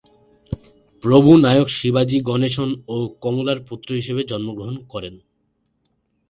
প্রভু নায়ক শিবাজি গণেশন ও কমলার পুত্র হিসেবে জন্মগ্রহণ করেন।